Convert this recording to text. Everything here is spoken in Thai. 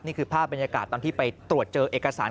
นี่คือภาพบรรยากาศตอนที่ไปตรวจเจอเอกสาร